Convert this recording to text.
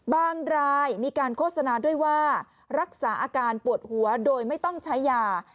รายมีการโฆษณาด้วยว่ารักษาอาการปวดหัวโดยไม่ต้องใช้ยา